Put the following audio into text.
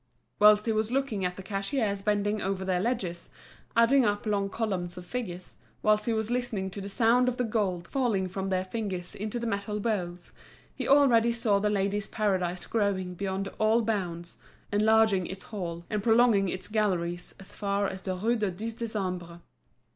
Whilst he was looking at the cashiers bending over their ledgers, adding up long columns of figures, whilst he was listening to the sound of the gold, falling from their fingers into the metal bowls, he already saw The Ladies' Paradise growing beyond all bounds, enlarging its hall and prolonging its galleries as far as the Rue du Dix Décembre.